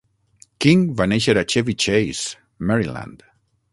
King va néixer a Chevy Chase, Maryland.